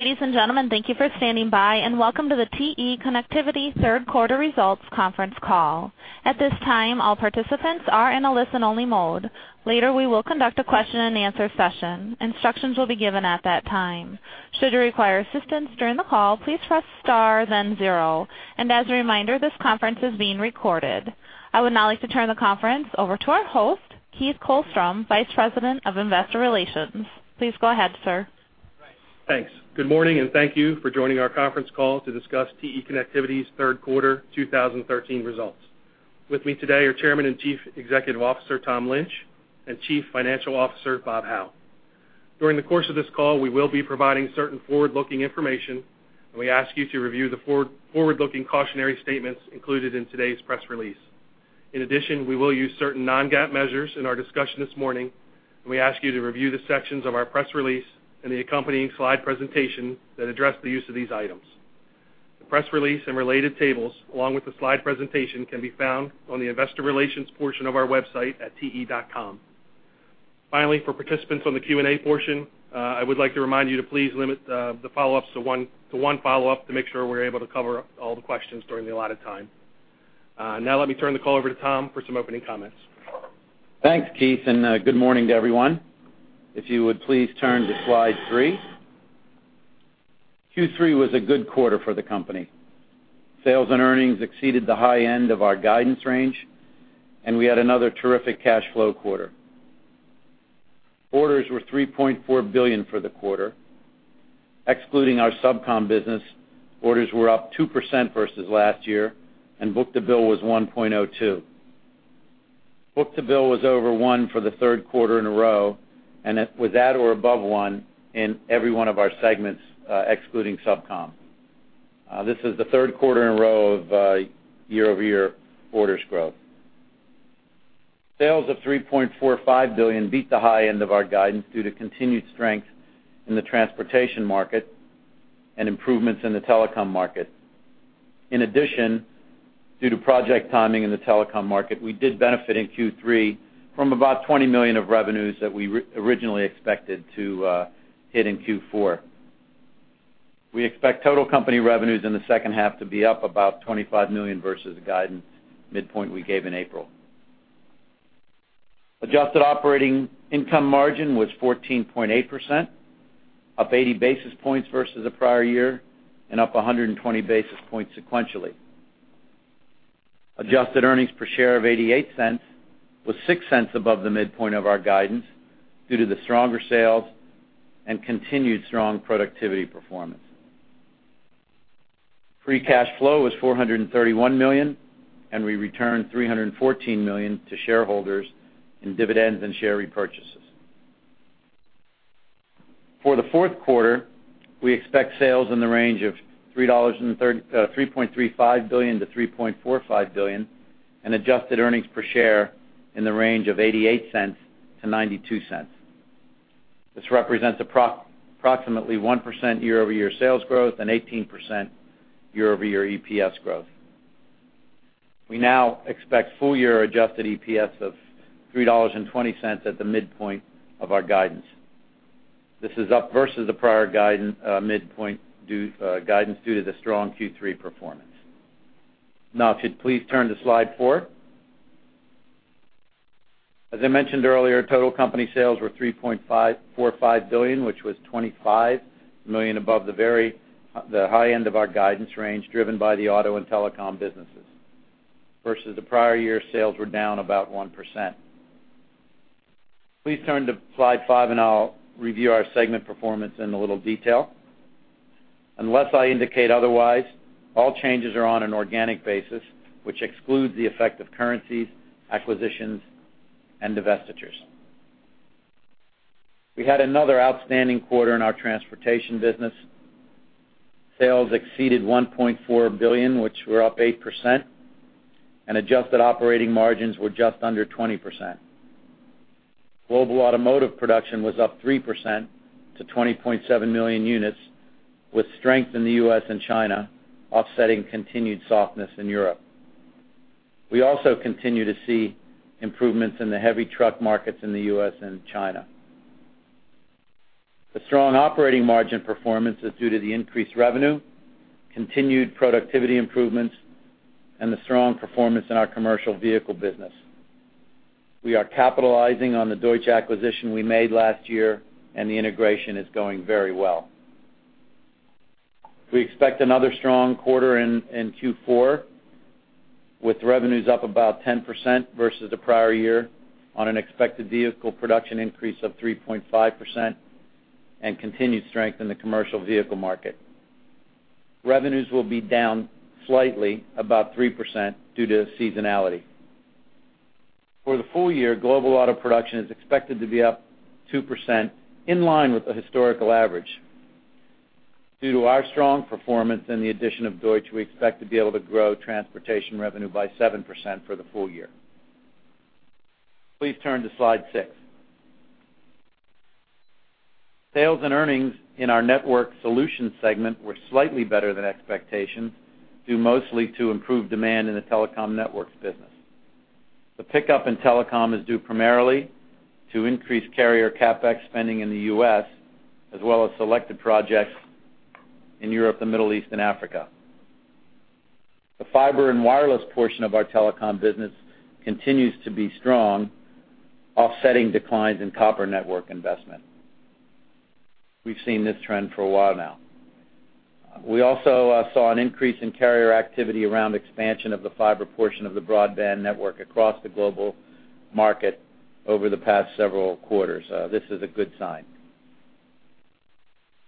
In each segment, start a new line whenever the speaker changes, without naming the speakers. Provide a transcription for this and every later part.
Ladies and gentlemen, thank you for standing by, and welcome to the TE Connectivity Q3 Results Conference Call. At this time, all participants are in a listen-only mode. Later, we will conduct a question-and-answer session. Instructions will be given at that time. Should you require assistance during the call, please press star, then zero. And as a reminder, this conference is being recorded. I would now like to turn the conference over to our host, Keith Colstrom, Vice President of Investor Relations. Please go ahead, sir.
Thanks. Good morning, and thank you for joining our conference call to discuss TE Connectivity's Q3 2013 results. With me today are Chairman and Chief Executive Officer Tom Lynch and Chief Financial Officer Bob Hau. During the course of this call, we will be providing certain forward-looking information, and we ask you to review the forward-looking cautionary statements included in today's press release. In addition, we will use certain non-GAAP measures in our discussion this morning, and we ask you to review the sections of our press release and the accompanying slide presentation that address the use of these items. The press release and related tables, along with the slide presentation, can be found on the Investor Relations portion of our website at te.com. Finally, for participants on the Q&A portion, I would like to remind you to please limit the follow-ups to one follow-up to make sure we're able to cover all the questions during the allotted time. Now, let me turn the call over to Tom for some opening comments.
Thanks, Keith, and good morning to everyone. If you would please turn to slide 3. Q3 was a good quarter for the company. Sales and earnings exceeded the high end of our guidance range, and we had another terrific cash flow quarter. Orders were $3.4 billion for the quarter. Excluding our SubCom business, orders were up 2% versus last year, and book-to-bill was 1.02. Book-to-bill was over one for the Q3 in a row, and it was at or above one in every one of our segments, excluding SubCom. This is the Q3 in a row of year-over-year orders growth. Sales of $3.45 billion beat the high end of our guidance due to continued strength in the transportation market and improvements in the telecom market. In addition, due to project timing in the telecom market, we did benefit in Q3 from about $20 million of revenues that we originally expected to hit in Q4. We expect total company revenues in the second half to be up about $25 million versus the guidance midpoint we gave in April. Adjusted operating income margin was 14.8%, up 80 basis points versus the prior year, and up 120 basis points sequentially. Adjusted Earnings Per Share of $0.88 was $0.06 above the midpoint of our guidance due to the stronger sales and continued strong productivity performance. Free cash flow was $431 million, and we returned $314 million to shareholders in dividends and share repurchases. For the Q4, we expect sales in the range of $3.35 billion-$3.45 billion, and Adjusted Earnings Per Share in the range of $0.88-$0.92. This represents approximately 1% year-over-year sales growth and 18% year-over-year EPS growth. We now expect full-year adjusted EPS of $3.20 at the midpoint of our guidance. This is up versus the prior guidance due to the strong Q3 performance. Now, if you'd please turn to slide 4. As I mentioned earlier, total company sales were $3.45 billion, which was $25 million above the high end of our guidance range driven by the auto and telecom businesses, versus the prior year's sales were down about 1%. Please turn to slide 5, and I'll review our segment performance in a little detail. Unless I indicate otherwise, all changes are on an organic basis, which excludes the effect of currencies, acquisitions, and divestitures. We had another outstanding quarter in our transportation business. Sales exceeded $1.4 billion, which were up 8%, and adjusted operating margins were just under 20%. Global automotive production was up 3% to 20.7 million units, with strength in the U.S. and China offsetting continued softness in Europe. We also continue to see improvements in the heavy truck markets in the U.S. and China. The strong operating margin performance is due to the increased revenue, continued productivity improvements, and the strong performance in our commercial vehicle business. We are capitalizing on the Deutsch acquisition we made last year, and the integration is going very well. We expect another strong quarter in Q4, with revenues up about 10% versus the prior year on an expected vehicle production increase of 3.5% and continued strength in the commercial vehicle market. Revenues will be down slightly, about 3%, due to seasonality. For the full year, global auto production is expected to be up 2% in line with the historical average. Due to our strong performance and the addition of Deutsch, we expect to be able to grow transportation revenue by 7% for the full year. Please turn to slide 6. Sales and earnings in our network solution segment were slightly better than expectations due mostly to improved demand in the telecom networks business. The pickup in telecom is due primarily to increased carrier CapEx spending in the U.S., as well as selected projects in Europe, the Middle East, and Africa. The fiber and wireless portion of our telecom business continues to be strong, offsetting declines in copper network investment. We've seen this trend for a while now. We also saw an increase in carrier activity around expansion of the fiber portion of the broadband network across the global market over the past several quarters. This is a good sign.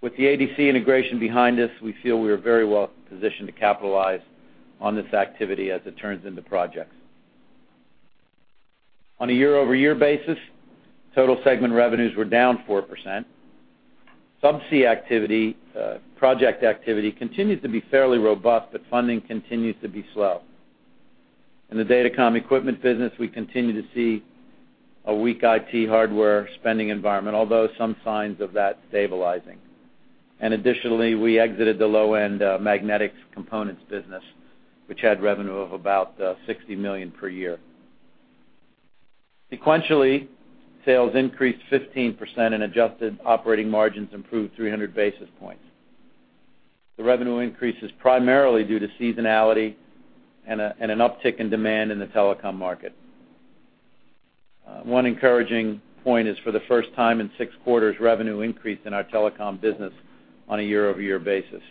With the ADC integration behind us, we feel we are very well positioned to capitalize on this activity as it turns into projects. On a year-over-year basis, total segment revenues were down 4%. Subsea activity, project activity continues to be fairly robust, but funding continues to be slow. In the data comm equipment business, we continue to see a weak IT hardware spending environment, although some signs of that stabilizing. Additionally, we exited the low-end magnetic components business, which had revenue of about $60 million per year. Sequentially, sales increased 15%, and adjusted operating margins improved 300 basis points. The revenue increase is primarily due to seasonality and an uptick in demand in the telecom market. One encouraging point is, for the first time in six quarters, revenue increased in our telecom business on a year-over-year basis.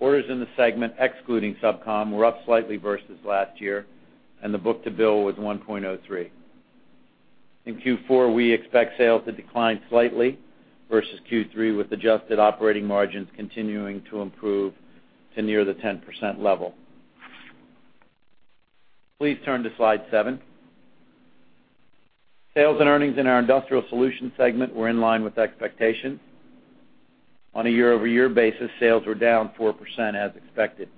Orders in the segment, excluding subcom, were up slightly versus last year, and the book-to-bill was 1.03. In Q4, we expect sales to decline slightly versus Q3, with adjusted operating margins continuing to improve to near the 10% level. Please turn to slide seven. Sales and earnings in our industrial solution segment were in line with expectations. On a year-over-year basis, sales were down 4% as expected.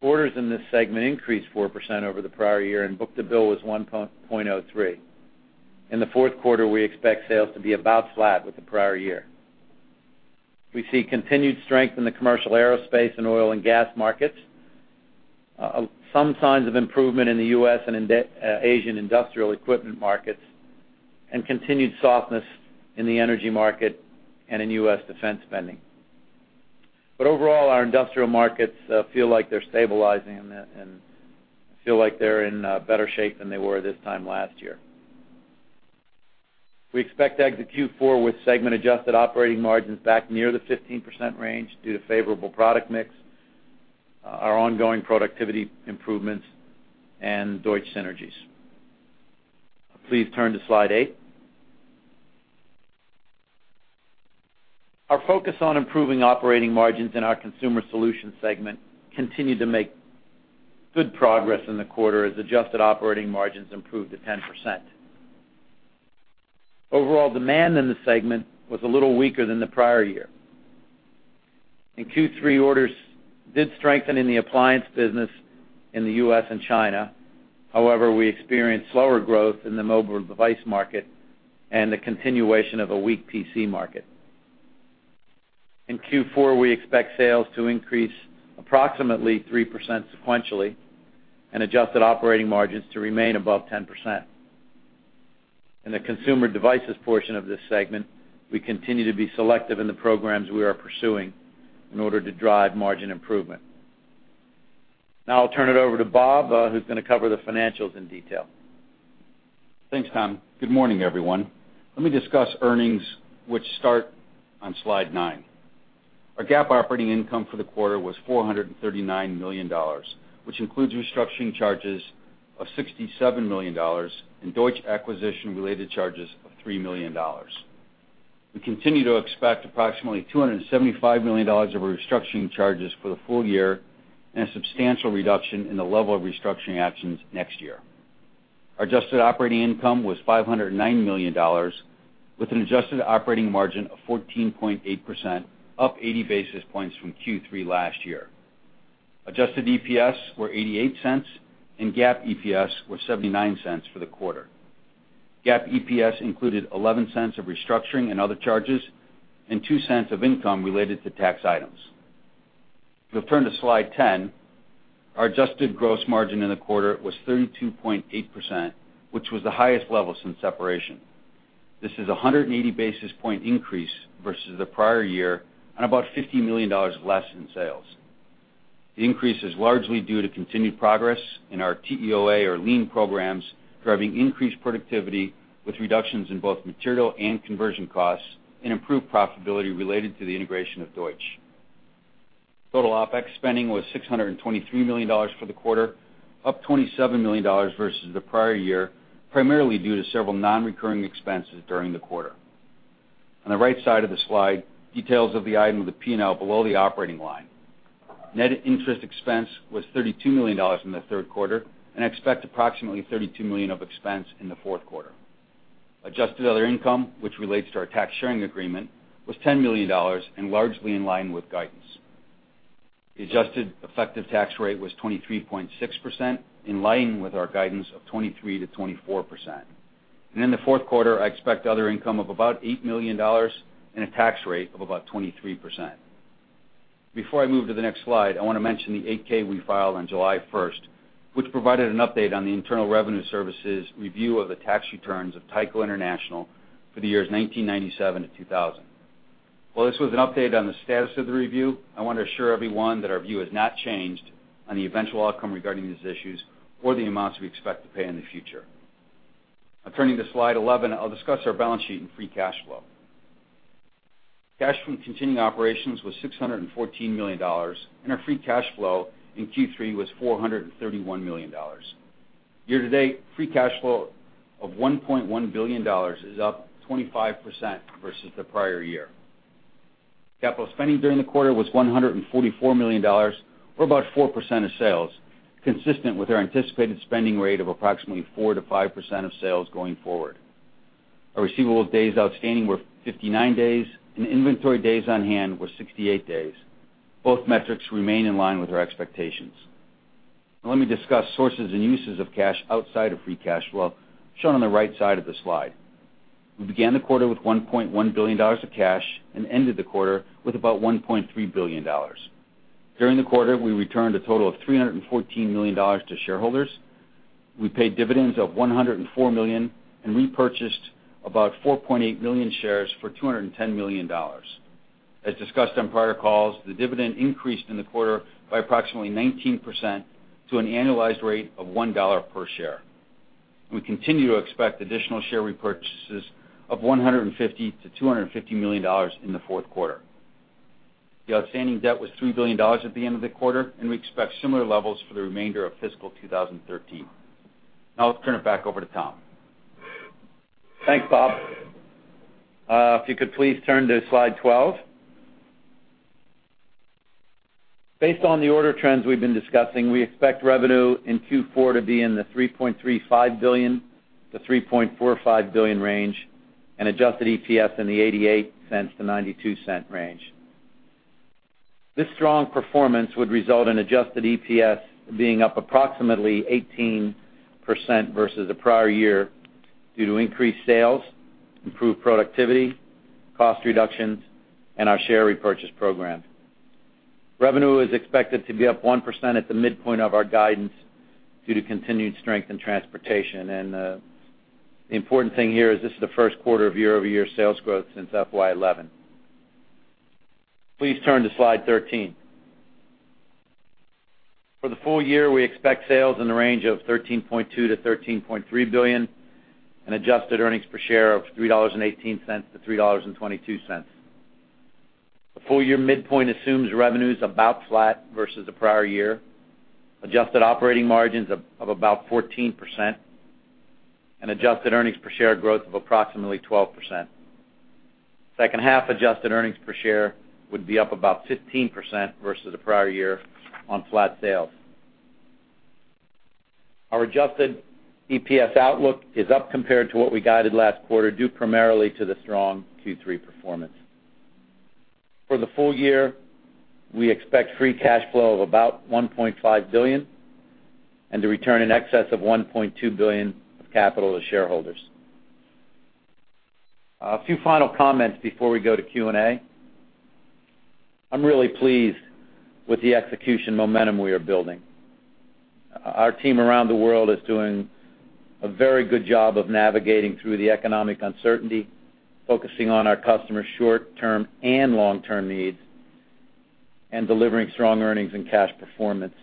Orders in this segment increased 4% over the prior year, and book-to-bill was 1.03. In the Q4, we expect sales to be about flat with the prior year. We see continued strength in the commercial aerospace and oil and gas markets, some signs of improvement in the U.S. and Asian industrial equipment markets, and continued softness in the energy market and in U.S. defense spending. But overall, our industrial markets feel like they're stabilizing, and I feel like they're in better shape than they were this time last year. We expect to exit Q4 with segment-adjusted operating margins back near the 15% range due to favorable product mix, our ongoing productivity improvements, and Deutsch synergies. Please turn to slide eight. Our focus on improving operating margins in our consumer solution segment continued to make good progress in the quarter as adjusted operating margins improved to 10%. Overall, demand in the segment was a little weaker than the prior year. In Q3, orders did strengthen in the appliance business in the U.S. and China. However, we experienced slower growth in the mobile device market and the continuation of a weak PC market. In Q4, we expect sales to increase approximately 3% sequentially and adjusted operating margins to remain above 10%. In the consumer devices portion of this segment, we continue to be selective in the programs we are pursuing in order to drive margin improvement. Now, I'll turn it over to Bob, who's going to cover the financials in detail.
Thanks, Tom. Good morning, everyone. Let me discuss earnings, which start on slide 9. Our GAAP operating income for the quarter was $439 million, which includes restructuring charges of $67 million and Deutsch acquisition-related charges of $3 million. We continue to expect approximately $275 million of restructuring charges for the full year and a substantial reduction in the level of restructuring actions next year. Our adjusted operating income was $509 million, with an adjusted operating margin of 14.8%, up 80 basis points from Q3 last year. Adjusted EPS were $0.88, and GAAP EPS were $0.79 for the quarter. GAAP EPS included $0.11 of restructuring and other charges and $0.02 of income related to tax items. If you'll turn to slide 10, our adjusted gross margin in the quarter was 32.8%, which was the highest level since separation. This is a 180 basis point increase versus the prior year and about $50 million less in sales. The increase is largely due to continued progress in our TEOA or lean programs, driving increased productivity with reductions in both material and conversion costs and improved profitability related to the integration of Deutsch. Total OpEx spending was $623 million for the quarter, up $27 million versus the prior year, primarily due to several non-recurring expenses during the quarter. On the right side of the slide, details of the item of the P&L below the operating line. Net interest expense was $32 million in the Q3, and expect approximately $32 million of expense in the Q4. Adjusted other income, which relates to our tax sharing agreement, was $10 million and largely in line with guidance. The adjusted effective tax rate was 23.6%, in line with our guidance of 23%-24%. In the Q4, I expect other income of about $8 million and a tax rate of about 23%. Before I move to the next slide, I want to mention the 8-K we filed on July 1st, which provided an update on the Internal Revenue Service review of the tax returns of Tyco International for the years 1997 to 2000. While this was an update on the status of the review, I want to assure everyone that our view has not changed on the eventual outcome regarding these issues or the amounts we expect to pay in the future. Now, turning to slide 11, I'll discuss our balance sheet and free cash flow. Cash from continuing operations was $614 million, and our free cash flow in Q3 was $431 million. Year-to-date, free cash flow of $1.1 billion is up 25% versus the prior year. Capital spending during the quarter was $144 million, or about 4% of sales, consistent with our anticipated spending rate of approximately 4%-5% of sales going forward. Our receivable days outstanding were 59 days, and inventory days on hand were 68 days. Both metrics remain in line with our expectations. Now, let me discuss sources and uses of cash outside of free cash flow, shown on the right side of the slide. We began the quarter with $1.1 billion of cash and ended the quarter with about $1.3 billion. During the quarter, we returned a total of $314 million to shareholders. We paid dividends of $104 million and repurchased about 4.8 million shares for $210 million. As discussed on prior calls, the dividend increased in the quarter by approximately 19% to an annualized rate of $1 per share. We continue to expect additional share repurchases of $150 million-$250 million in the Q4. The outstanding debt was $3 billion at the end of the quarter, and we expect similar levels for the remainder of fiscal 2013. Now, I'll turn it back over to Tom.
Thanks, Bob. If you could please turn to slide 12. Based on the order trends we've been discussing, we expect revenue in Q4 to be in the $3.35 billion-$3.45 billion range and adjusted EPS in the $0.88-$0.92 range. This strong performance would result in adjusted EPS being up approximately 18% versus the prior year due to increased sales, improved productivity, cost reductions, and our share repurchase program. Revenue is expected to be up 1% at the midpoint of our guidance due to continued strength in transportation. The important thing here is this is the Q1 of year-over-year sales growth since FY11. Please turn to slide 13. For the full year, we expect sales in the range of $13.2 billion-$13.3 billion and adjusted earnings per share of $3.18-$3.22. The full year midpoint assumes revenues about flat versus the prior year, adjusted operating margins of about 14%, and adjusted earnings per share growth of approximately 12%. Second half adjusted earnings per share would be up about 15% versus the prior year on flat sales. Our adjusted EPS outlook is up compared to what we guided last quarter due primarily to the strong Q3 performance. For the full year, we expect free cash flow of about $1.5 billion and to return in excess of $1.2 billion of capital to shareholders. A few final comments before we go to Q&A. I'm really pleased with the execution momentum we are building. Our team around the world is doing a very good job of navigating through the economic uncertainty, focusing on our customers' short-term and long-term needs, and delivering strong earnings and cash performance.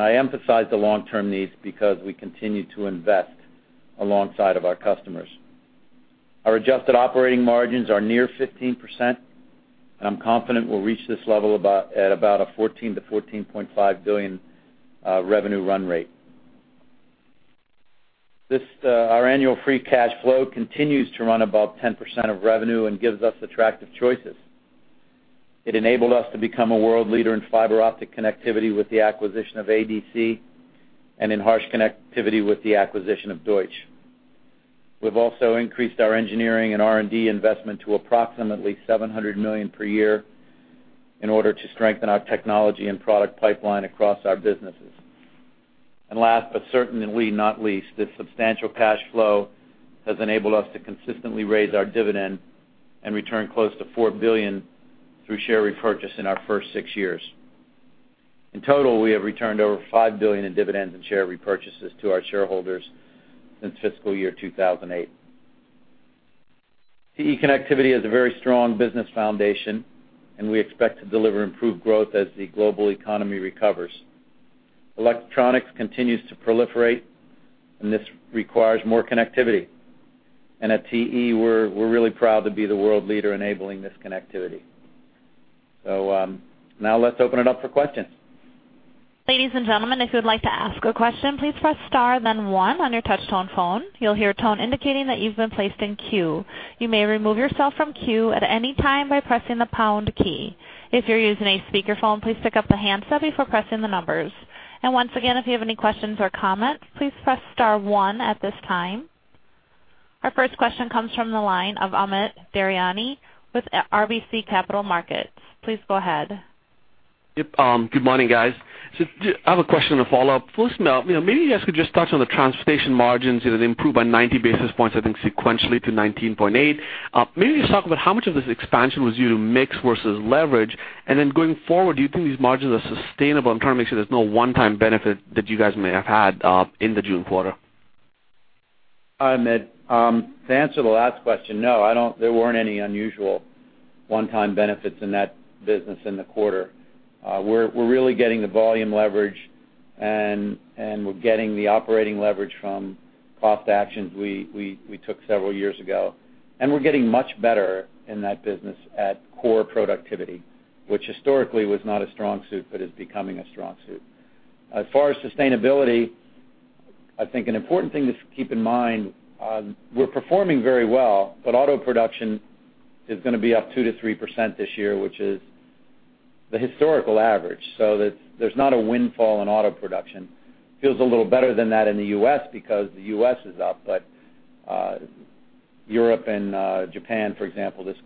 I emphasize the long-term needs because we continue to invest alongside of our customers. Our adjusted operating margins are near 15%, and I'm confident we'll reach this level at about a $14 billion-$14.5 billion revenue run rate. Our annual free cash flow continues to run above 10% of revenue and gives us attractive choices. It enabled us to become a world leader in fiber optic connectivity with the acquisition of ADC and in harsh connectivity with the acquisition of Deutsch. We've also increased our engineering and R&D investment to approximately $700 million per year in order to strengthen our technology and product pipeline across our businesses. Last but certainly not least, this substantial cash flow has enabled us to consistently raise our dividend and return close to $4 billion through share repurchase in our first six years. In total, we have returned over $5 billion in dividends and share repurchases to our shareholders since fiscal year 2008. TE Connectivity has a very strong business foundation, and we expect to deliver improved growth as the global economy recovers. Electronics continues to proliferate, and this requires more connectivity. At TE, we're really proud to be the world leader enabling this connectivity. Now, let's open it up for questions.
Ladies and gentlemen, if you would like to ask a question, please press star then one on your touch-tone phone. You'll hear a tone indicating that you've been placed in queue. You may remove yourself from queue at any time by pressing the pound key. If you're using a speakerphone, please pick up the handset before pressing the numbers. And once again, if you have any questions or comments, please press star one at this time. Our first question comes from the line of Amit Daryanani with RBC Capital Markets. Please go ahead.
Yep. Good morning, guys. So I have a question to follow up. First, maybe you guys could just touch on the transportation margins. They improved by 90 basis points, I think, sequentially to 19.8%. Maybe just talk about how much of this expansion was due to mix versus leverage. And then going forward, do you think these margins are sustainable? I'm trying to make sure there's no one-time benefit that you guys may have had in the June quarter.
Hi, Amit. To answer the last question, no. There weren't any unusual one-time benefits in that business in the quarter. We're really getting the volume leverage, and we're getting the operating leverage from cost actions we took several years ago. And we're getting much better in that business at core productivity, which historically was not a strong suit but is becoming a strong suit. As far as sustainability, I think an important thing to keep in mind, we're performing very well, but auto production is going to be up 2%-3% this year, which is the historical average. So there's not a windfall in auto production. Feels a little better than that in the U.S. because the U.S. is up, but Europe and Japan, for example, this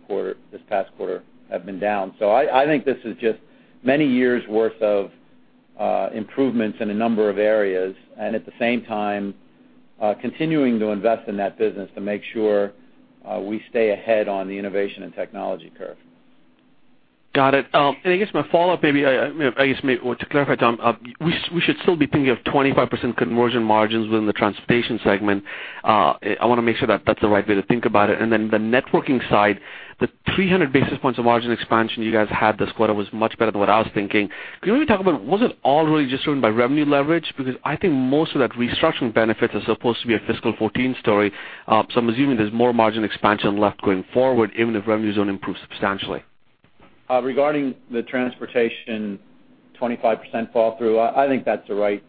past quarter have been down. I think this is just many years' worth of improvements in a number of areas and at the same time continuing to invest in that business to make sure we stay ahead on the innovation and technology curve.
Got it. I guess my follow-up, maybe I guess to clarify, Tom, we should still be thinking of 25% conversion margins within the transportation segment. I want to make sure that that's the right way to think about it. And then the networking side, the 300 basis points of margin expansion you guys had this quarter was much better than what I was thinking. Can you maybe talk about was it all really just driven by revenue leverage? Because I think most of that restructuring benefits are supposed to be a fiscal 2014 story. So I'm assuming there's more margin expansion left going forward, even if revenues don't improve substantially.
Regarding the transportation, 25% fall-through, I think that's the right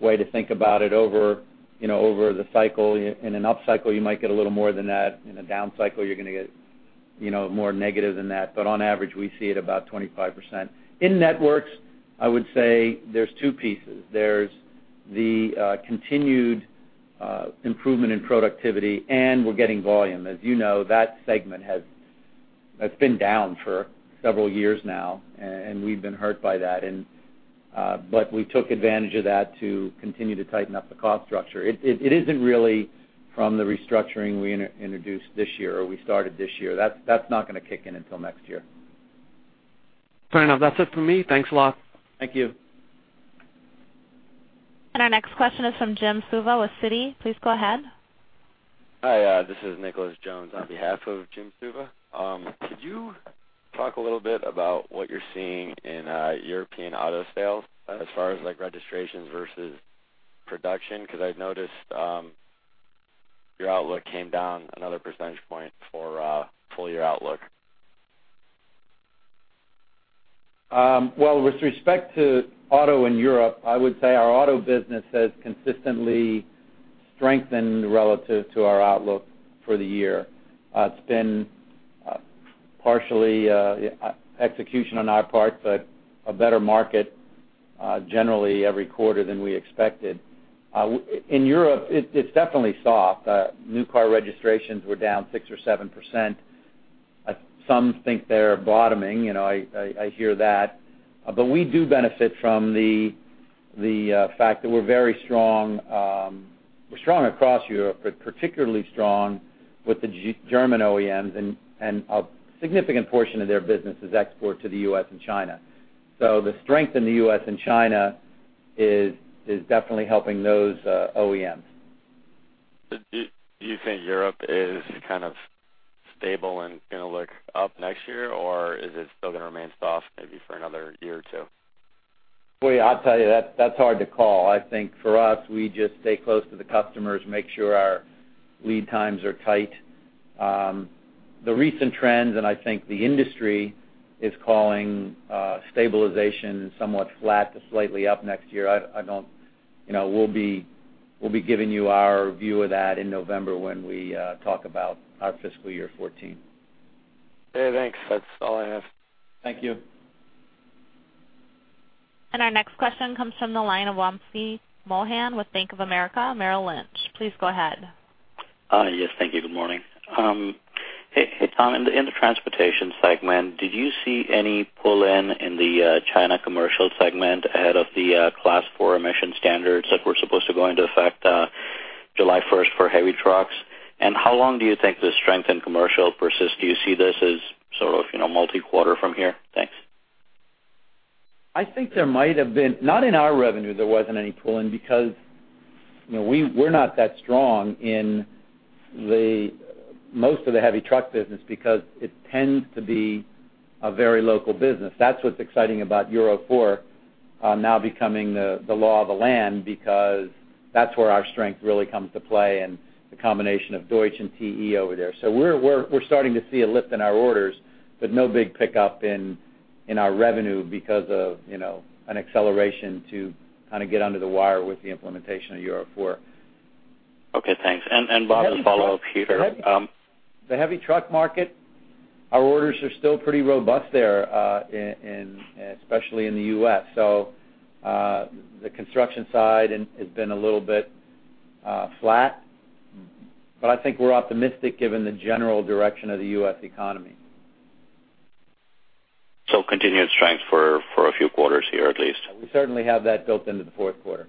way to think about it. Over the cycle, in an up cycle, you might get a little more than that. In a down cycle, you're going to get more negative than that. But on average, we see it about 25%. In networks, I would say there's two pieces. There's the continued improvement in productivity, and we're getting volume. As you know, that segment has been down for several years now, and we've been hurt by that. But we took advantage of that to continue to tighten up the cost structure. It isn't really from the restructuring we introduced this year or we started this year. That's not going to kick in until next year.
Fair enough. That's it for me. Thanks a lot.
Thank you.
Our next question is from Jim Suva with Citi. Please go ahead.
Hi. This is Nicholas Jones on behalf of Jim Suva. Could you talk a little bit about what you're seeing in European auto sales as far as registrations versus production? Because I noticed your outlook came down another percentage point for full year outlook.
Well, with respect to auto in Europe, I would say our auto business has consistently strengthened relative to our outlook for the year. It's been partially execution on our part, but a better market generally every quarter than we expected. In Europe, it's definitely soft. New car registrations were down 6%-7%. Some think they're bottoming. I hear that. But we do benefit from the fact that we're very strong. We're strong across Europe, but particularly strong with the German OEMs, and a significant portion of their business is export to the U.S. and China. So the strength in the U.S. and China is definitely helping those OEMs.
Do you think Europe is kind of stable and going to look up next year, or is it still going to remain soft maybe for another year or two?
Boy, I'll tell you that's hard to call. I think for us, we just stay close to the customers, make sure our lead times are tight. The recent trends, and I think the industry is calling stabilization somewhat flat to slightly up next year. I don't we'll be giving you our view of that in November when we talk about our fiscal year 2014.
Hey, thanks. That's all I have.
Thank you.
Our next question comes from the line of Wamsi Mohan with Bank of America Merrill Lynch. Please go ahead.
Yes. Thank you. Good morning. Hey, Tom. In the transportation segment, did you see any pull-in in the China commercial segment ahead of the Class 4 emission standards that we're supposed to go into effect July 1st for heavy trucks? And how long do you think this strength in commercial persists? Do you see this as sort of multi-quarter from here? Thanks.
I think there might have been not in our revenue, there wasn't any pull-in because we're not that strong in most of the heavy truck business because it tends to be a very local business. That's what's exciting about Euro 4 now becoming the law of the land because that's where our strength really comes to play and the combination of Deutsch and TE over there. So we're starting to see a lift in our orders, but no big pickup in our revenue because of an acceleration to kind of get under the wire with the implementation of Europe.
Okay. Thanks. And Bob, a follow-up here.
The heavy truck market, our orders are still pretty robust there, especially in the U.S. So the construction side has been a little bit flat, but I think we're optimistic given the general direction of the U.S. economy.
Continued strength for a few quarters here at least.
We certainly have that built into the Q4.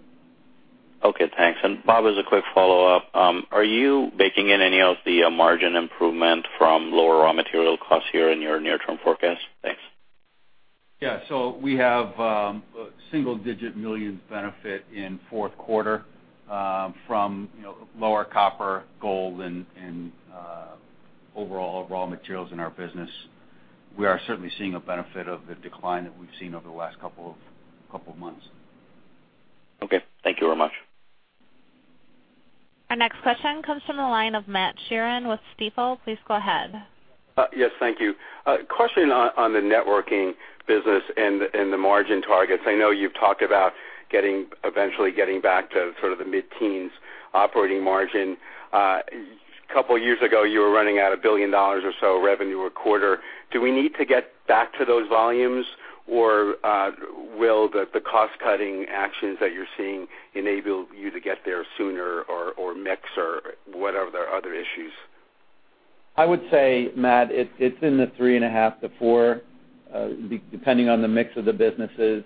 Okay. Thanks. Bob, as a quick follow-up, are you baking in any of the margin improvement from lower raw material costs here in your near-term forecast? Thanks.
Yeah. So we have single-digit millions benefit in Q4 from lower copper, gold, and overall raw materials in our business. We are certainly seeing a benefit of the decline that we've seen over the last couple of months.
Okay. Thank you very much.
Our next question comes from the line of Matt Sheerin with Stifel. Please go ahead.
Yes. Thank you. Question on the networking business and the margin targets. I know you've talked about eventually getting back to sort of the mid-teens operating margin. A couple of years ago, you were running at $1 billion or so revenue a quarter. Do we need to get back to those volumes, or will the cost-cutting actions that you're seeing enable you to get there sooner or mix or what are the other issues?
I would say, Matt, it's in the 3.5%-4% depending on the mix of the businesses.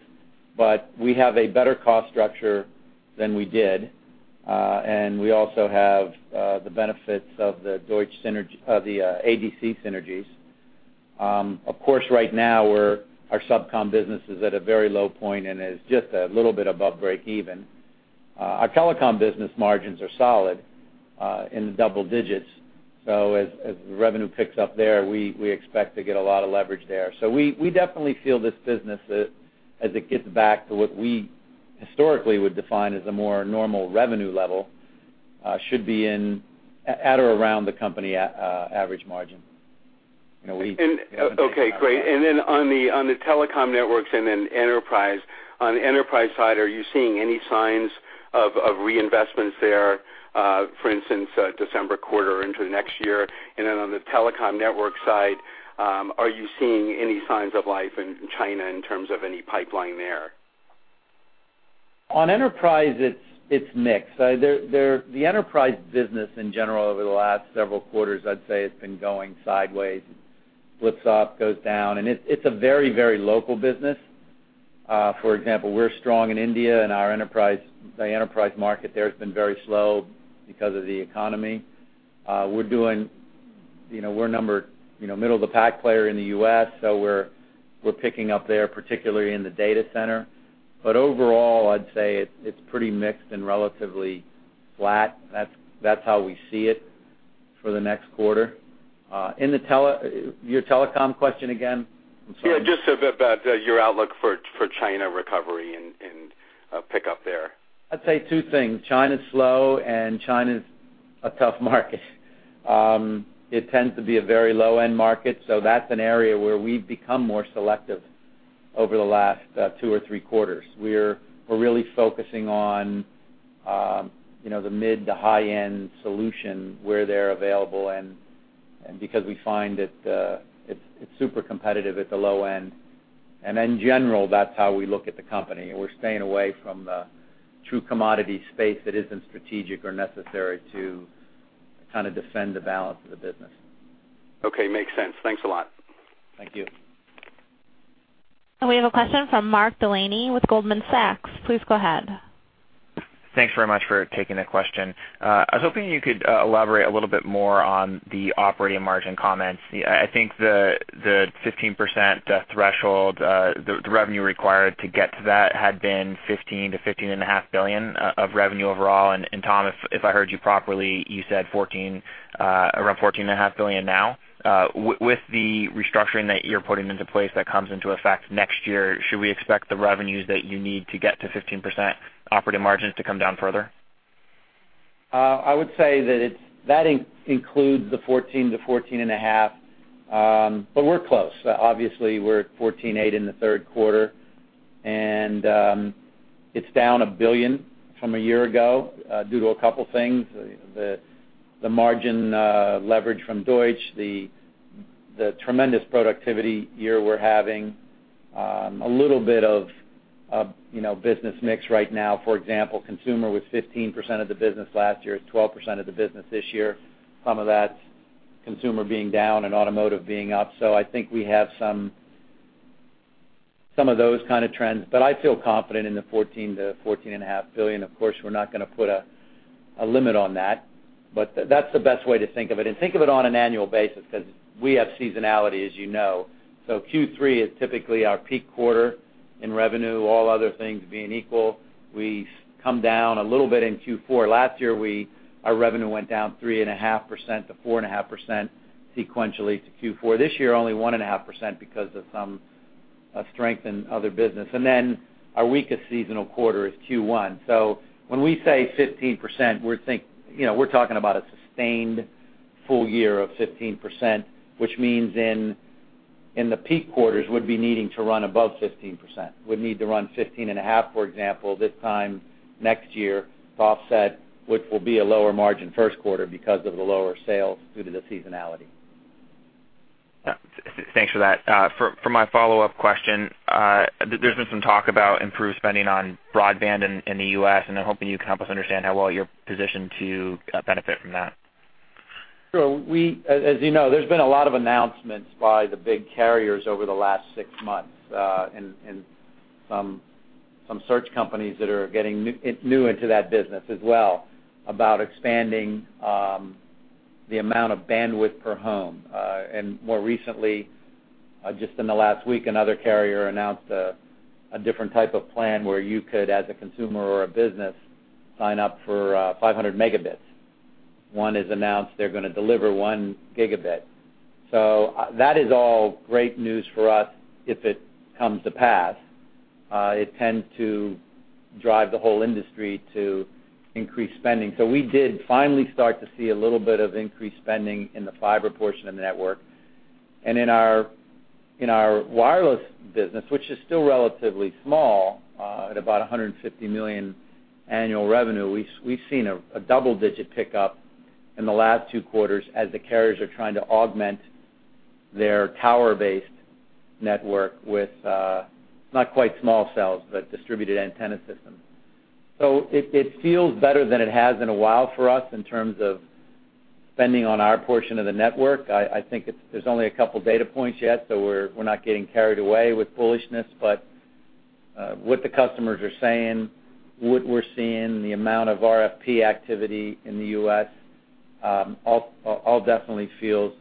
But we have a better cost structure than we did, and we also have the benefits of the ADC synergies. Of course, right now, our subcom business is at a very low point and is just a little bit above break-even. Our telecom business margins are solid in the double digits. So as the revenue picks up there, we expect to get a lot of leverage there. So we definitely feel this business, as it gets back to what we historically would define as a more normal revenue level, should be at or around the company average margin.
Okay. Great. And then on the telecom networks and then Enterprise, on the Enterprise side, are you seeing any signs of reinvestments there, for instance, December quarter into next year? And then on the telecom network side, are you seeing any signs of life in China in terms of any pipeline there?
On Enterprise, it's mixed. The Enterprise business in general over the last several quarters, I'd say, has been going sideways, flips up, goes down. It's a very, very local business. For example, we're strong in India, and the Enterprise market there has been very slow because of the economy. We're numbered middle of the pack player in the U.S., so we're picking up there, particularly in the data center. But overall, I'd say it's pretty mixed and relatively flat. That's how we see it for the next quarter. Your telecom question again? I'm sorry.
Yeah. Just about your outlook for China recovery and pickup there?
I'd say two things. China's slow, and China's a tough market. It tends to be a very low-end market, so that's an area where we've become more selective over the last two or three quarters. We're really focusing on the mid to high-end solution where they're available because we find that it's super competitive at the low end. And in general, that's how we look at the company. We're staying away from the true commodity space that isn't strategic or necessary to kind of defend the balance of the business.
Okay. Makes sense. Thanks a lot.
Thank you.
We have a question from Mark Delaney with Goldman Sachs. Please go ahead.
Thanks very much for taking that question. I was hoping you could elaborate a little bit more on the operating margin comments. I think the 15% threshold, the revenue required to get to that, had been $15 billion-$15.5 billion of revenue overall. And Tom, if I heard you properly, you said around $14.5 billion now. With the restructuring that you're putting into place that comes into effect next year, should we expect the revenues that you need to get to 15% operating margins to come down further?
I would say that that includes the 14 to 14.5, but we're close. Obviously, we're at 14.8 in the Q3, and it's down $1 billion from a year ago due to a couple of things: the margin leverage from Deutsch, the tremendous productivity year we're having, a little bit of business mix right now. For example, consumer was 15% of the business last year, 12% of the business this year. Some of that's consumer being down and automotive being up. So I think we have some of those kind of trends. But I feel confident in the $14 billion-$14.5 billion. Of course, we're not going to put a limit on that, but that's the best way to think of it. And think of it on an annual basis because we have seasonality, as you know. So Q3 is typically our peak quarter in revenue. All other things being equal, we come down a little bit in Q4. Last year, our revenue went down 3.5%-4.5% sequentially to Q4. This year, only 1.5% because of some strength in other business. And then our weakest seasonal quarter is Q1. So when we say 15%, we're talking about a sustained full year of 15%, which means in the peak quarters we'd be needing to run above 15%. We'd need to run 15.5, for example, this time next year to offset, which will be a lower margin Q1 because of the lower sales due to the seasonality.
Thanks for that. For my follow-up question, there's been some talk about improved spending on broadband in the U.S., and I'm hoping you can help us understand how well you're positioned to benefit from that.
Sure. As you know, there's been a lot of announcements by the big carriers over the last six months and some such companies that are getting into that business as well about expanding the amount of bandwidth per home. More recently, just in the last week, another carrier announced a different type of plan where you could, as a consumer or a business, sign up for 500 Mbps. One has announced they're going to deliver 1 Gbps. So that is all great news for us if it comes to pass. It tends to drive the whole industry to increase spending. So we did finally start to see a little bit of increased spending in the fiber portion of the network. In our wireless business, which is still relatively small at about $150 million annual revenue, we've seen a double-digit pickup in the last two quarters as the carriers are trying to augment their tower-based network with not quite small cells, but Distributed Antenna Systems. So it feels better than it has in a while for us in terms of spending on our portion of the network. I think there's only a couple of data points yet, so we're not getting carried away with bullishness. But what the customers are saying, what we're seeing, the amount of RFP activity in the U.S., all definitely feels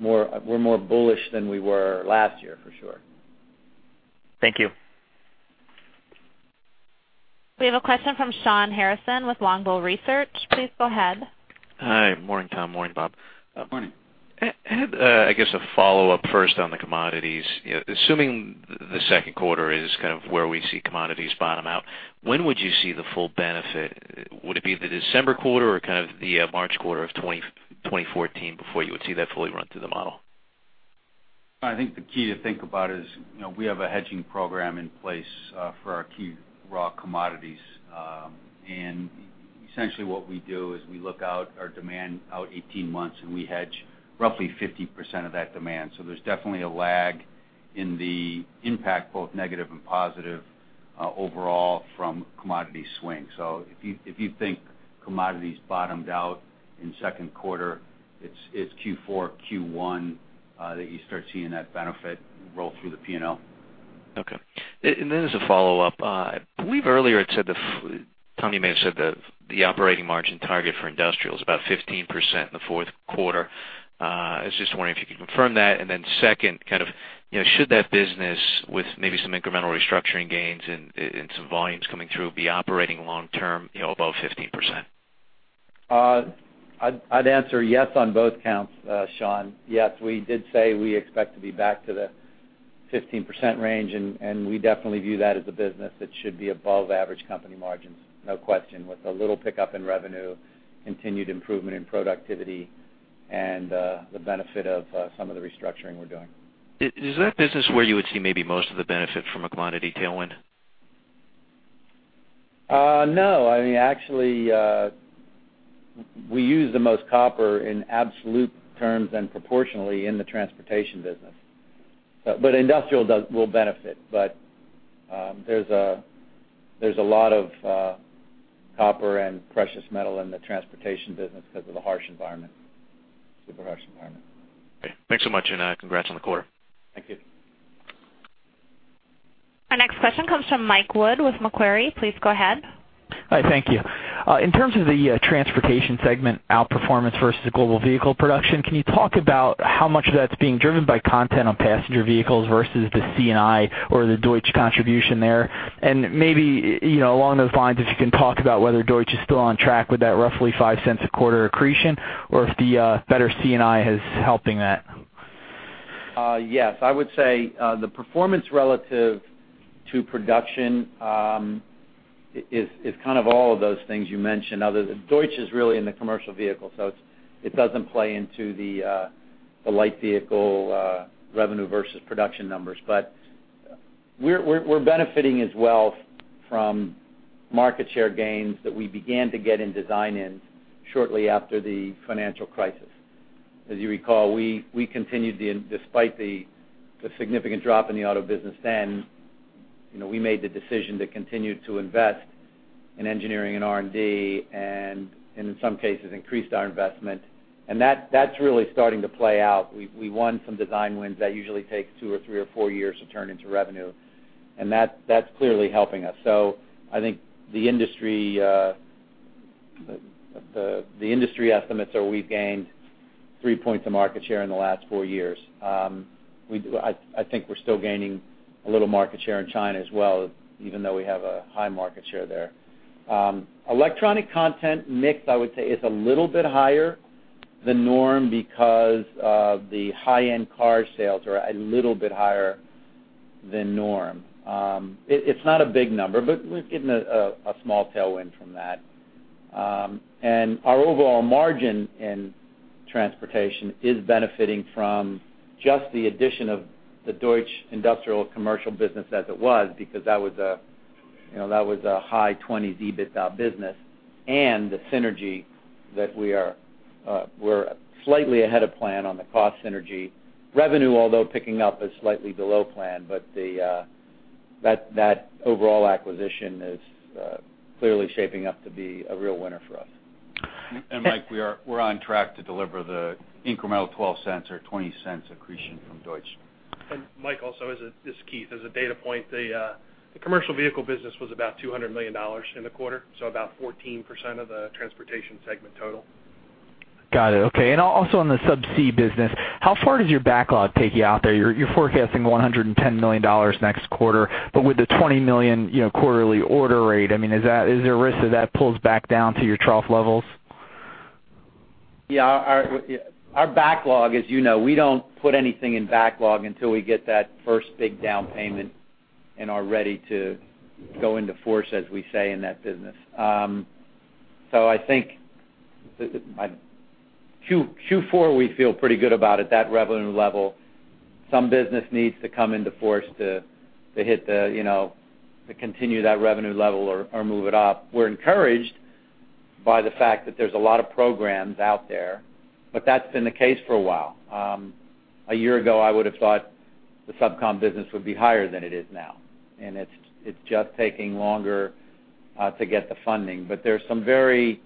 we're more bullish than we were last year, for sure.
Thank you.
We have a question from Shawn Harrison with Longbow Research. Please go ahead.
Hi. Morning, Tom. Morning, Bob.
Morning.
I guess a follow-up first on the commodities. Assuming the Q2 is kind of where we see commodities bottom out, when would you see the full benefit? Would it be the December quarter or kind of the March quarter of 2014 before you would see that fully run through the model?
I think the key to think about is we have a hedging program in place for our key raw commodities. Essentially, what we do is we look out our demand out 18 months, and we hedge roughly 50% of that demand. There's definitely a lag in the impact, both negative and positive, overall from commodity swing. If you think commodities bottomed out in Q2, it's Q4, Q1 that you start seeing that benefit roll through the P&L.
Okay. And then as a follow-up, I believe earlier, Tom, you may have said the operating margin target for industrial is about 15% in the Q4. I was just wondering if you could confirm that. And then second, kind of should that business with maybe some incremental restructuring gains and some volumes coming through be operating long-term above 15%?
I'd answer yes on both counts, Shawn. Yes, we did say we expect to be back to the 15% range, and we definitely view that as a business that should be above average company margins, no question, with a little pickup in revenue, continued improvement in productivity, and the benefit of some of the restructuring we're doing.
Is that a business where you would see maybe most of the benefit from a commodity tailwind?
No. I mean, actually, we use the most copper in absolute terms and proportionally in the transportation business. But industrial will benefit. But there's a lot of copper and precious metal in the transportation business because of the harsh environment, super harsh environment.
Okay. Thanks so much, and congrats on the quarter.
Thank you.
Our next question comes from Mike Wood with Macquarie. Please go ahead.
Hi. Thank you. In terms of the transportation segment outperformance versus global vehicle production, can you talk about how much of that's being driven by content on passenger vehicles versus the C&I or the Deutsch contribution there? Maybe along those lines, if you can talk about whether Deutsch is still on track with that roughly $0.05 a quarter accretion or if the better C&I is helping that.
Yes. I would say the performance relative to production is kind of all of those things you mentioned. Deutsch is really in the commercial vehicle, so it doesn't play into the light vehicle revenue versus production numbers. But we're benefiting as well from market share gains that we began to get in design-ins shortly after the financial crisis. As you recall, we continued despite the significant drop in the auto business then. We made the decision to continue to invest in engineering and R&D and, in some cases, increased our investment. And that's really starting to play out. We won some design wins that usually take 2 or 3 or 4 years to turn into revenue, and that's clearly helping us. So I think the industry estimates are we've gained 3 points of market share in the last 4 years. I think we're still gaining a little market share in China as well, even though we have a high market share there. Electronic content mix, I would say, is a little bit higher than norm because the high-end car sales are a little bit higher than norm. It's not a big number, but we're getting a small tailwind from that. And our overall margin in transportation is benefiting from just the addition of the Deutsch industrial commercial business as it was because that was a high 20s EBITDA business and the synergy that we're slightly ahead of plan on the cost synergy. Revenue, although picking up, is slightly below plan, but that overall acquisition is clearly shaping up to be a real winner for us.
Mike, we're on track to deliver the incremental $0.12 or $0.20 accretion from Deutsche.
Mike, also as Keith, as a data point, the commercial vehicle business was about $200 million in the quarter, so about 14% of the transportation segment total.
Got it. Okay. And also on the subsea business, how far does your backlog take you out there? You're forecasting $110 million next quarter, but with the $20 million quarterly order rate, I mean, is there a risk that that pulls back down to your trough levels?
Yeah. Our backlog, as you know, we don't put anything in backlog until we get that first big down payment and are ready to go into force, as we say, in that business. So I think Q4, we feel pretty good about it, that revenue level. Some business needs to come into force to hit the continue that revenue level or move it up. We're encouraged by the fact that there's a lot of programs out there, but that's been the case for a while. A year ago, I would have thought the subcom business would be higher than it is now, and it's just taking longer to get the funding. But there's some very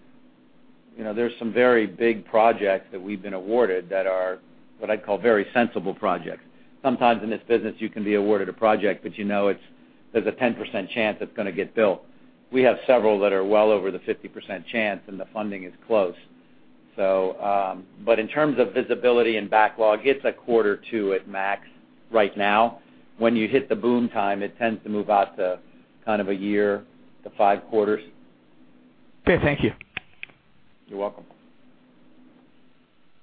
big projects that we've been awarded that are what I'd call very sensible projects. Sometimes in this business, you can be awarded a project, but you know there's a 10% chance it's going to get built. We have several that are well over the 50% chance, and the funding is close. But in terms of visibility and backlog, it's a quarter to one max right now. When you hit the boom time, it tends to move out to kind of a year to 5 quarters.
Okay. Thank you.
You're welcome.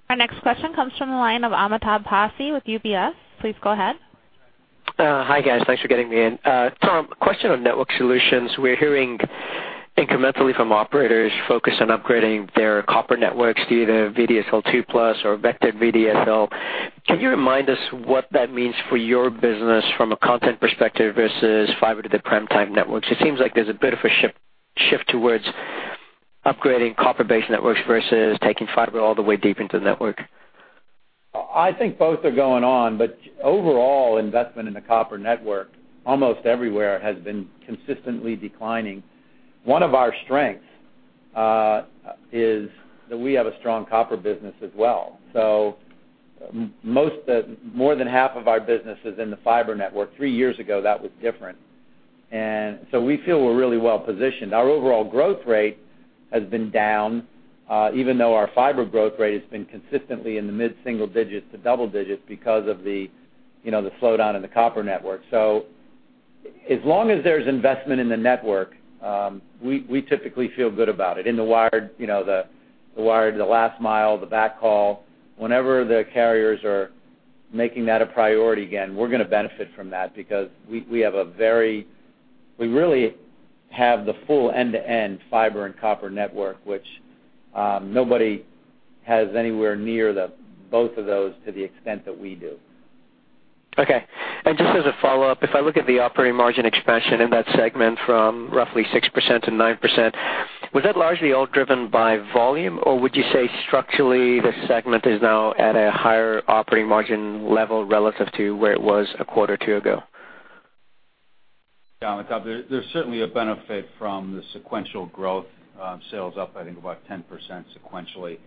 Our next question comes from the line of Amitabh Passi with UBS. Please go ahead.
Hi, guys. Thanks for getting me in. Tom, question on network solutions. We're hearing incrementally from operators focused on upgrading their copper networks to either VDSL 2+ or Vectored VDSL. Can you remind us what that means for your business from a connectivity perspective versus fiber to the premises networks? It seems like there's a bit of a shift towards upgrading copper-based networks versus taking fiber all the way deep into the network.
I think both are going on, but overall investment in the copper network almost everywhere has been consistently declining. One of our strengths is that we have a strong copper business as well. So more than half of our business is in the fiber network. Three years ago, that was different. And so we feel we're really well positioned. Our overall growth rate has been down, even though our fiber growth rate has been consistently in the mid-single digits to double digits because of the slowdown in the copper network. So as long as there's investment in the network, we typically feel good about it. In the wired, the last mile, the backhaul, whenever the carriers are making that a priority again, we're going to benefit from that because we really have the full end-to-end fiber and copper network, which nobody has anywhere near both of those to the extent that we do.
Okay. And just as a follow-up, if I look at the operating margin expansion in that segment from roughly 6%-9%, was that largely all driven by volume, or would you say structurally the segment is now at a higher operating margin level relative to where it was a quarter or two ago?
Yeah. There's certainly a benefit from the sequential growth. Sales up, I think, about 10% sequentially.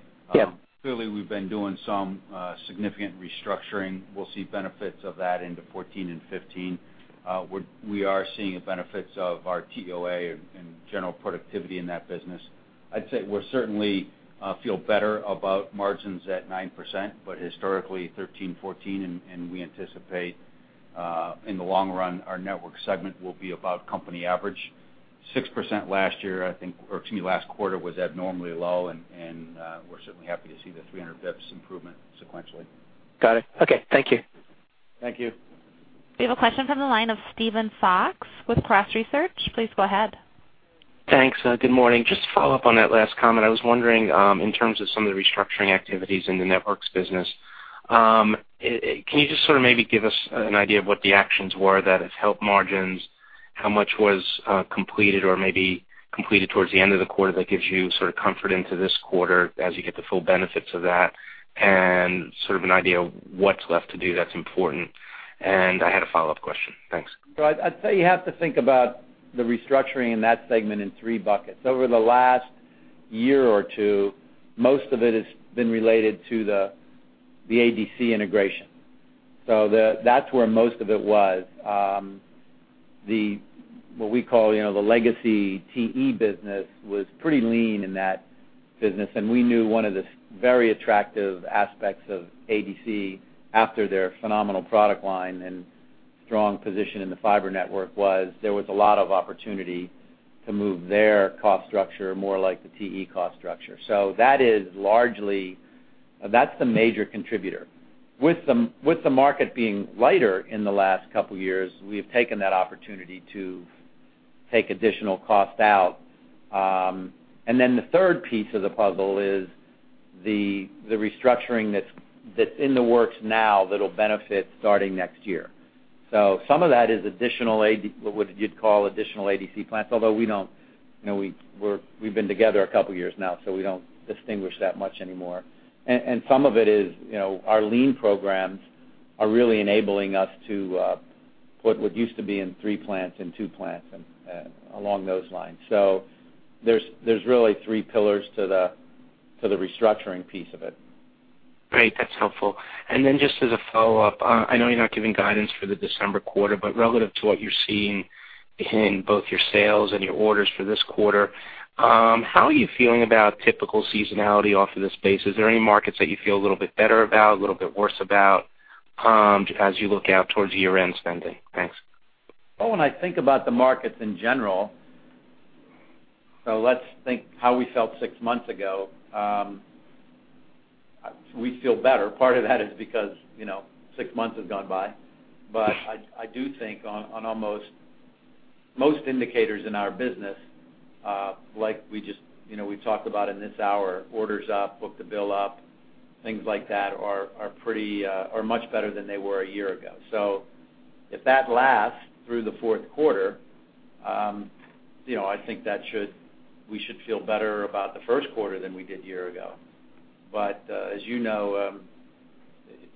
Clearly, we've been doing some significant restructuring. We'll see benefits of that into 2014 and 2015. We are seeing the benefits of our TOA and general productivity in that business. I'd say we certainly feel better about margins at 9%, but historically 13%, 14%, and we anticipate in the long run our network segment will be about company average. 6% last year, I think, or excuse me, last quarter was abnormally low, and we're certainly happy to see the 300 basis points improvement sequentially.
Got it. Okay. Thank you.
Thank you.
We have a question from the line of Steven Fox with Cross Research. Please go ahead.
Thanks. Good morning. Just to follow up on that last comment, I was wondering in terms of some of the restructuring activities in the networks business, can you just sort of maybe give us an idea of what the actions were that have helped margins, how much was completed or maybe completed towards the end of the quarter that gives you sort of comfort into this quarter as you get the full benefits of that, and sort of an idea of what's left to do that's important? And I had a follow-up question. Thanks.
So I'd say you have to think about the restructuring in that segment in three buckets. Over the last year or two, most of it has been related to the ADC integration. So that's where most of it was. What we call the legacy TE business was pretty lean in that business, and we knew one of the very attractive aspects of ADC after their phenomenal product line and strong position in the fiber network was there was a lot of opportunity to move their cost structure more like the TE cost structure. So that is largely that's the major contributor. With the market being lighter in the last couple of years, we have taken that opportunity to take additional cost out. And then the third piece of the puzzle is the restructuring that's in the works now that'll benefit starting next year. So some of that is additional, what you'd call additional ADC plants, although we've been together a couple of years now, so we don't distinguish that much anymore. And some of it is our lean programs are really enabling us to put what used to be in three plants in two plants and along those lines. So there's really three pillars to the restructuring piece of it.
Great. That's helpful. And then just as a follow-up, I know you're not giving guidance for the December quarter, but relative to what you're seeing in both your sales and your orders for this quarter, how are you feeling about typical seasonality off of this base? Is there any markets that you feel a little bit better about, a little bit worse about as you look out towards year-end spending? Thanks. Well, when I think about the markets in general, so let's think how we felt six months ago, we feel better. Part of that is because six months have gone by. But I do think on almost most indicators in our business, like we just talked about in this hour, orders up, book-to-bill up, things like that are much better than they were a year ago. So if that lasts through the Q4, I think we should feel better about the Q1 than we did a year ago. But as you know,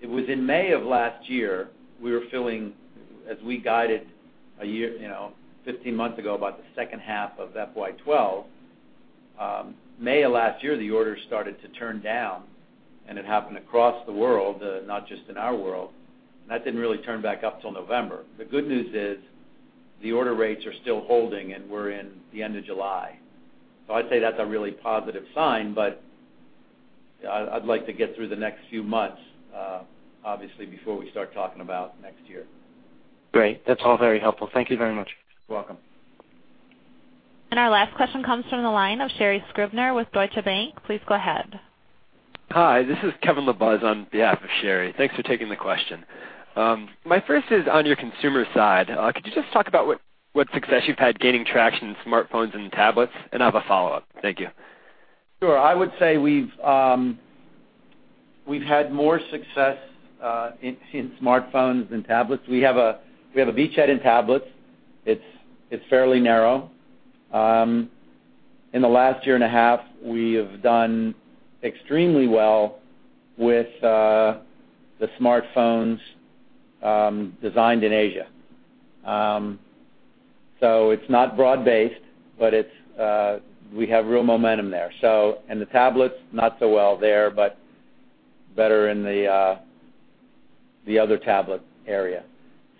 it was in May of last year we were filling, as we guided a year 15 months ago about the second half of FY12. May of last year, the orders started to turn down, and it happened across the world, not just in our world. That didn't really turn back up till November. The good news is the order rates are still holding, and we're in the end of July. So I'd say that's a really positive sign, but I'd like to get through the next few months, obviously, before we start talking about next year. Great. That's all very helpful. Thank you very much.
You're welcome.
Our last question comes from the line of Sherri Scribner with Deutsche Bank. Please go ahead.
Hi. This is Kevin LaBuz on behalf of Sherri. Thanks for taking the question. My first is on your consumer side. Could you just talk about what success you've had gaining traction in smartphones and tablets? And I have a follow-up. Thank you.
Sure. I would say we've had more success in smartphones than tablets. We have a beachhead in tablets. It's fairly narrow. In the last year and a half, we have done extremely well with the smartphones designed in Asia. So it's not broad-based, but we have real momentum there. And the tablets, not so well there, but better in the other tablet area.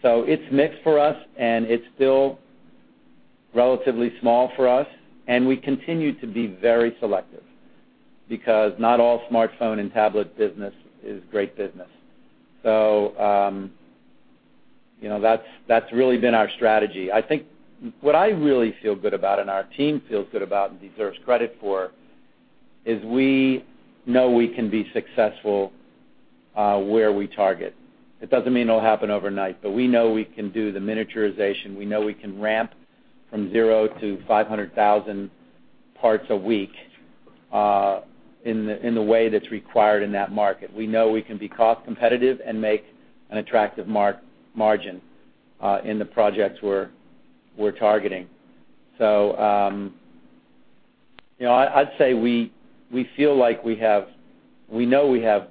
So it's mixed for us, and it's still relatively small for us, and we continue to be very selective because not all smartphone and tablet business is great business. So that's really been our strategy. I think what I really feel good about and our team feels good about and deserves credit for is we know we can be successful where we target. It doesn't mean it'll happen overnight, but we know we can do the miniaturization. We know we can ramp from 0 to 500,000 parts a week in the way that's required in that market. We know we can be cost competitive and make an attractive margin in the projects we're targeting. So I'd say we feel like we know we have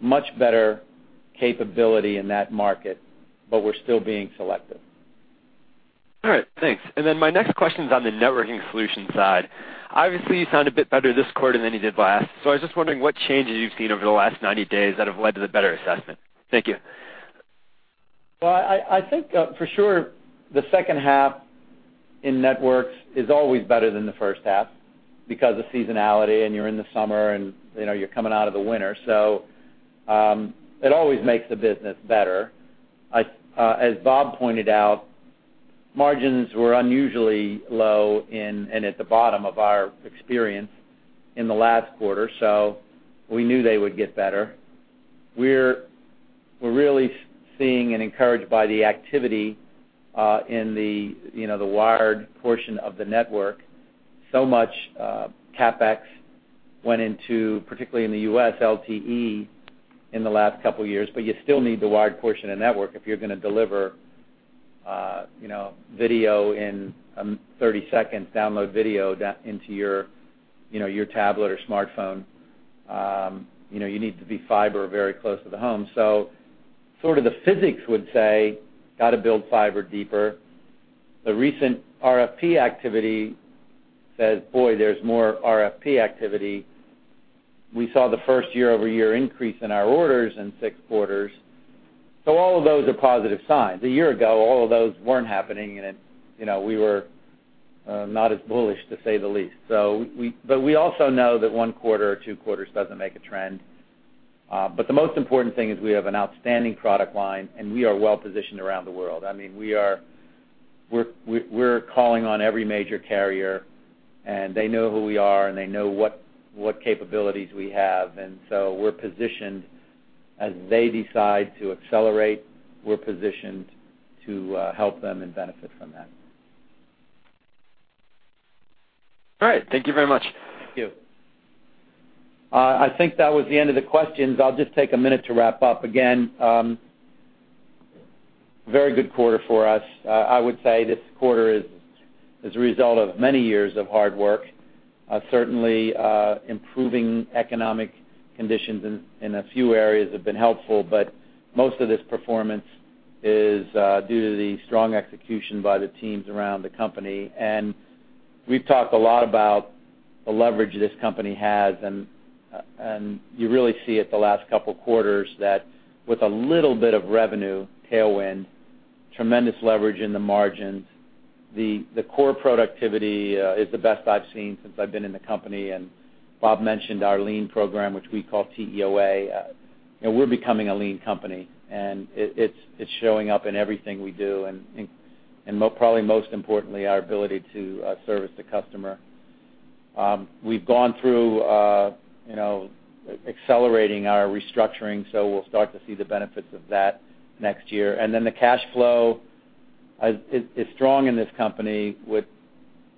much better capability in that market, but we're still being selective.
All right. Thanks. And then my next question is on the networking solution side. Obviously, you sound a bit better this quarter than you did last. So I was just wondering what changes you've seen over the last 90 days that have led to the better assessment. Thank you.
Well, I think for sure the second half in networks is always better than the first half because of seasonality, and you're in the summer, and you're coming out of the winter. So it always makes the business better. As Bob pointed out, margins were unusually low and at the bottom of our experience in the last quarter, so we knew they would get better. We're really seeing and encouraged by the activity in the wired portion of the network. So much CapEx went into, particularly in the U.S., LTE in the last couple of years, but you still need the wired portion of network if you're going to deliver video in 30 seconds, download video into your tablet or smartphone. You need to be fiber very close to the home. So sort of the physics would say, "Got to build fiber deeper." The recent RFP activity says, "Boy, there's more RFP activity." We saw the first year-over-year increase in our orders in six quarters. So all of those are positive signs. A year ago, all of those weren't happening, and we were not as bullish, to say the least. But we also know that one quarter or two quarters doesn't make a trend. But the most important thing is we have an outstanding product line, and we are well positioned around the world. I mean, we're calling on every major carrier, and they know who we are, and they know what capabilities we have. And so we're positioned as they decide to accelerate, we're positioned to help them and benefit from that.
All right. Thank you very much.
Thank you. I think that was the end of the questions. I'll just take a minute to wrap up. Again, very good quarter for us. I would say this quarter is a result of many years of hard work. Certainly, improving economic conditions in a few areas have been helpful, but most of this performance is due to the strong execution by the teams around the company. And we've talked a lot about the leverage this company has, and you really see it the last couple of quarters that with a little bit of revenue tailwind, tremendous leverage in the margins, the core productivity is the best I've seen since I've been in the company. And Bob mentioned our lean program, which we call TEOA. We're becoming a lean company, and it's showing up in everything we do and probably most importantly, our ability to service the customer. We've gone through accelerating our restructuring, so we'll start to see the benefits of that next year. And then the cash flow is strong in this company, which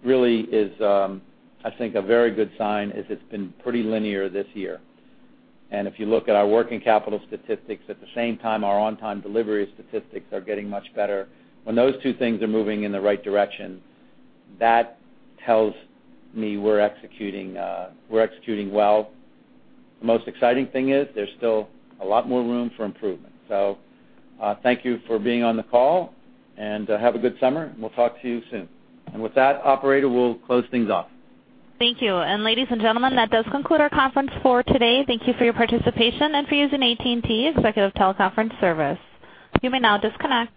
really is, I think, a very good sign as it's been pretty linear this year. And if you look at our working capital statistics, at the same time, our on-time delivery statistics are getting much better. When those two things are moving in the right direction, that tells me we're executing well. The most exciting thing is there's still a lot more room for improvement. So thank you for being on the call, and have a good summer. We'll talk to you soon. And with that, Operator, we'll close things off.
Thank you. Ladies and gentlemen, that does conclude our conference for today. Thank you for your participation and for using AT&T Executive Teleconference Service. You may now disconnect.